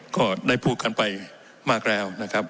ก็ได้พูดกันไปมากแล้ว